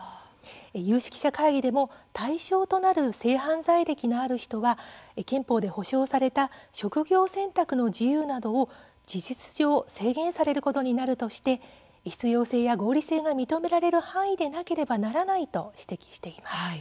有識者会議でも対象となる性犯罪歴のある人は憲法で保障された職業選択の自由などを事実上、制限されることになるとして必要性や合理性が認められる範囲でなければならないと指摘しています。